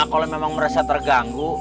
kalau memang merasa terganggu